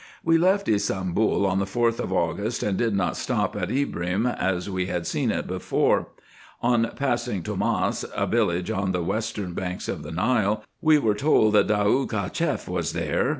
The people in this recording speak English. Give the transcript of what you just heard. We left Ybsambul on the 4th of August, and did not stop at IN EGYPT, NUBIA, &c. 215 Ibrim, as we had seen it before. On passing Tomas, a village on the western banks of the Nile, we were told, that Daoud Cacheff was there.